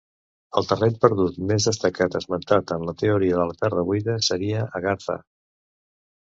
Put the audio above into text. El terreny perdut més destacat esmentat en la teoria de la terra buida seria Agartha.